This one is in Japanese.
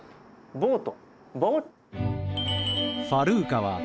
ボート？